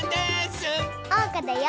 おうかだよ！